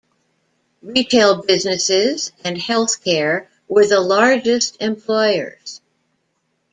Retail businesses and health care were the largest employers.